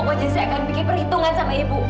pokoknya saya akan bikin perhitungan sama ibu